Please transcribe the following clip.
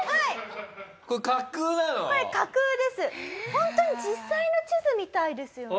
本当に実際の地図みたいですよね。